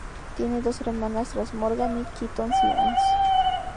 Tiene dos hermanastros, Morgan y Keaton Simons.